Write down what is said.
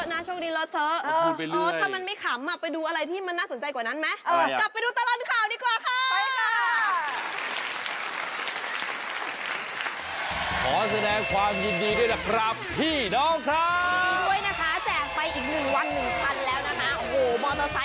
ไม่รู้นะถ้ามันถูกว่าอะไรสนใจกว้าผมกลับมาดูตลอดข่าวดีกว่าค่ะ